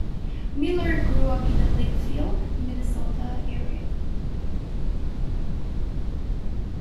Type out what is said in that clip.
Miller grew up in the Lakeville, Minnesota, area.